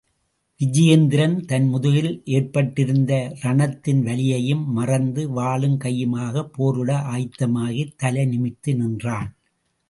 விஜயேந்திரன், தன் முதுகில் ஏற்பட்டிருந்த ரணத்தின் வலியையும் மறந்து, வாளும் கையுமாகப் போரிட ஆயத்தமாகி தலை நிமிர்த்தி நின்றான்!